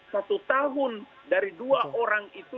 satu tahun dari dua orang itu